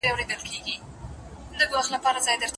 که د قران کريم يو تفسير او ترجمه وليکل سي ښه به وي.